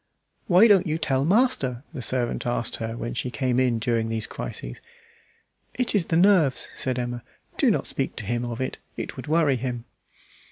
"Why don't you tell master?" the servant asked her when she came in during these crises. "It is the nerves," said Emma. "Do not speak to him of it; it would worry him."